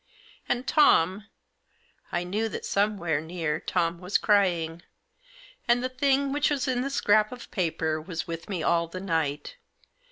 And Tom — I knew that somewhere near Tom was crying. And the thing which was in the scrap of paper was with me all the night.